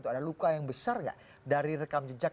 ada luka yang besar nggak dari rekam jejak